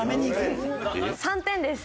３点です。